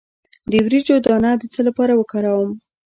د وریجو دانه د څه لپاره وکاروم؟